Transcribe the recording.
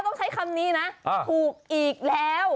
ต้องใช้คำนี้นะถูกอีกแล้ว